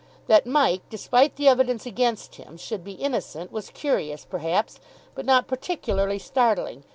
That Mike, despite the evidence against him, should be innocent, was curious, perhaps, but not particularly startling.